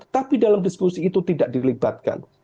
tapi dalam diskusi itu tidak dilibatkan